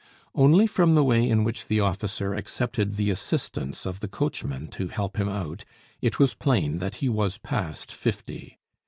Only from the way in which the officer accepted the assistance of the coachman to help him out, it was plain that he was past fifty.